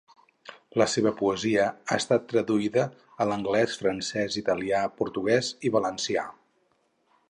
La seva poesia ha estat traduïda a l'anglès, francès, italià, portuguès i valencià.